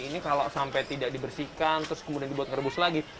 ini kalau sampai tidak dibersihkan terus kemudian dibuat ngerebus lagi